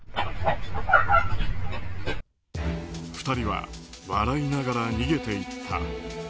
２人は笑いながら逃げていった。